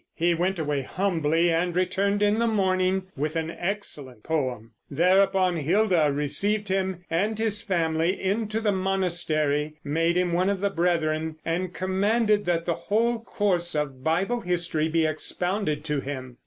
He went away humbly and returned in the morning with an excellent poem. Thereupon Hilda received him and his family into the monastery, made him one of the brethren, and commanded that the whole course of Bible history be expounded to him.